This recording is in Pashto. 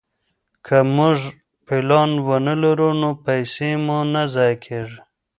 که موږ پلان ونه لرو نو پيسې مو ضايع کيږي.